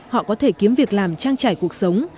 họ có thể kiếm việc làm trang trải cuộc sống